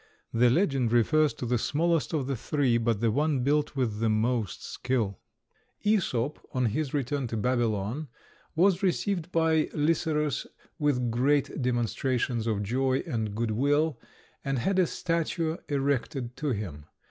The legend refers to the smallest of the three, but the one built with the most skill. Æsop, on his return to Babylon, was received by Lycerus with great demonstrations of joy and good will, and had a statue erected to him.